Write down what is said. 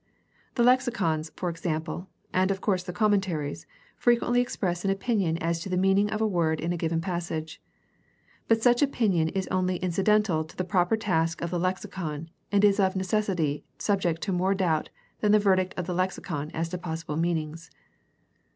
The lexicons, for example, and of course the commentaries, frequently express an opinion as to the meaning of a word in a given passage. But such opinion is only incidental to the proper task of the lexicon and is of necessity subject to more doubt than the verdict of the lexicon as to possible meanings.